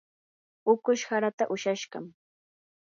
ukush haraata ushashqam.